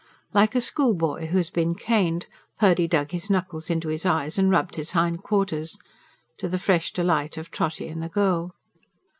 Like a schoolboy who has been caned, Purdy dug his knuckles into his eyes and rubbed his hindquarters to the fresh delight of Trotty and the girl.